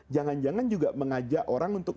jangan jangan juga mengajak orang untuk